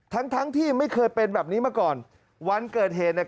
ทั้งทั้งที่ไม่เคยเป็นแบบนี้มาก่อนวันเกิดเหตุเนี่ย